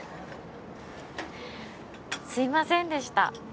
すいませんでした。